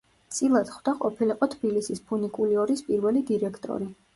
წილად ხვდა ყოფილიყო თბილისის ფუნიკულიორის პირველი დირექტორი.